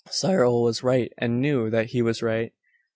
Cyril was right and knew that he was right.